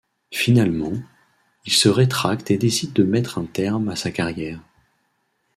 Finalement, il se rétracte et décide de mettre un terme à sa carrière.